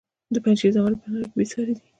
د پنجشیر زمرد په نړۍ کې بې ساري دي